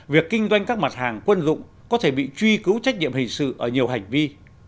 việc kinh doanh các mặt hàng quân dụng có thể bị truy cứu trách nhiệm hình sự ở nhiều hành vi